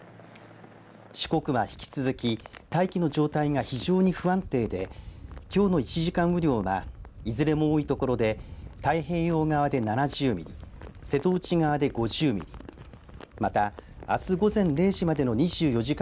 四国は引き続き大気の状態が非常に不安定できょうの１時間雨量がいずれも多い所で太平洋側で７０ミリ瀬戸内側で５０ミリまた、あす午前０時までの２４時間